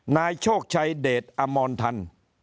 นายโชคชัยเดชอมรทัน